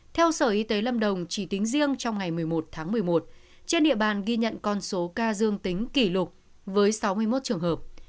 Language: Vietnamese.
theo sở y tế lâm đồng chỉ tính riêng trong ngày một mươi một tháng một mươi một trên địa bàn ghi nhận con số ca dương tính kỷ lục với sáu mươi một trường hợp